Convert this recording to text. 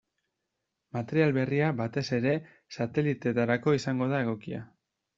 Material berria batez ere sateliteetarako izango da egokia.